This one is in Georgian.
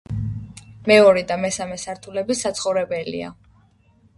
მეორე და მესამე სართულები საცხოვრებელია.